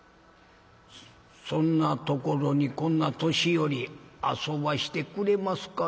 「そんなところにこんな年寄り遊ばしてくれますかな？」。